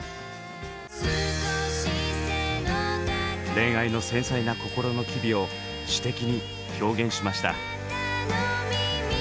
恋愛の繊細な心の機微を詩的に表現しました。